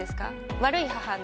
悪い母の。